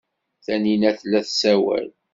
Taninna tella tessawal.